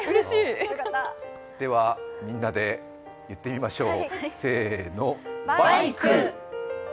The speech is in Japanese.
ではみんなで言ってみましょう。